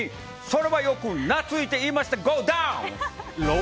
それはよく懐いていましたゴーダウン！